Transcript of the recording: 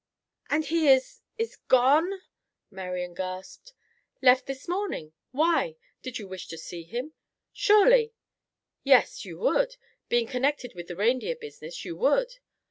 "And he is—is gone?" Marian gasped. "Left this morning. Why? Did you wish to see him? Surely—yes, you would. Being connected with the reindeer business, you would.